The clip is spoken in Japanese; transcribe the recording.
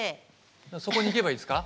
そこに行けばいいですか？